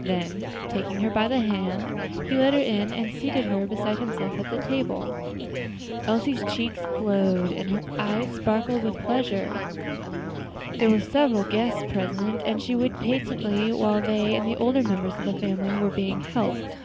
Then, taking her by the hand, he led her in and seated her beside himself at the table. Elsie's cheek glowed and her eyes sparkled with pleasure. There were several guests present, and she waited patiently while they and the older members of the family were being helped.